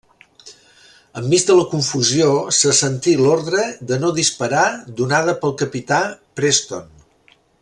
En mig de la confusió, se sentí l'ordre de no disparar donada pel capità Preston.